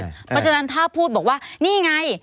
เพราะฉะนั้นถ้าพูดบอกว่านี่ไง